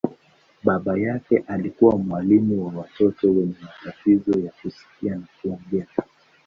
Baba yake alikuwa mwalimu wa watoto wenye matatizo ya kusikia na kuongea.